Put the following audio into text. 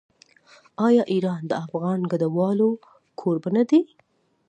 آیا ایران د افغان کډوالو کوربه نه دی؟